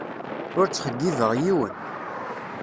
Ur ttxeyyibeɣ yiwen.